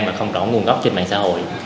và không rõ nguồn gốc trên mạng xã hội